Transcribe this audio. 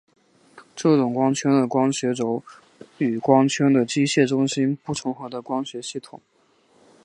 这种光圈的光学轴与光圈的机械中心不重合的光学系统。